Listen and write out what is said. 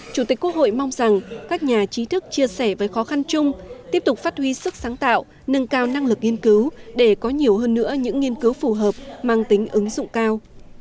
chủ tịch quốc hội mong rằng các nhà trí thức chia sẻ với khó khăn chung tiếp tục phát huy sức sáng tạo nâng cao năng lực nghiên cứu để có nhiều hơn nữa những nghiên cứu phù hợp mang tính ứng dụng cao